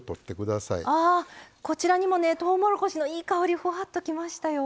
あこちらにもねとうもろこしのいい香りふわっときましたよ。